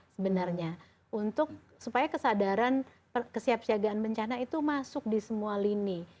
sebenarnya untuk supaya kesadaran kesiapsiagaan bencana itu masuk di semua lini